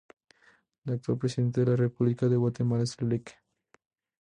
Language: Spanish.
El actual Presidente de la República de Guatemala es el Lic.